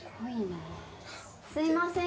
すみません！